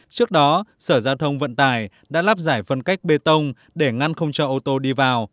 trước đó sở giao thông vận tải đã lắp giải phân cách bê tông để ngăn không cho ô tô đi vào